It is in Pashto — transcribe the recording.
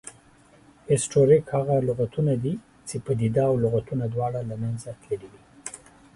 هسټوریک هغه لغتونه دي، چې پدیده او لغتونه دواړه له منځه تللې وي